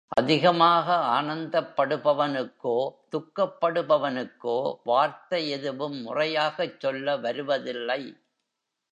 அதிகமாக ஆனந்தப்படுபவனுக்கோ, துக்கப்படுபவனுக்கோ வார்த்தை எதுவும் முறையாகச் சொல்ல வருவதில்லை.